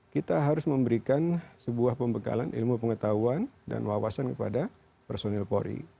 kita harus memberikan sebuah pembekalan ilmu pengetahuan dan wawasan kepada personil polri